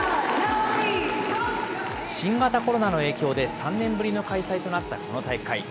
新型コロナの影響で３年ぶりの開催となったこの大会。